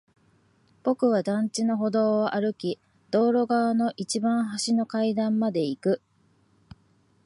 僕は団地の歩道を歩き、道路側の一番端の階段まで行く。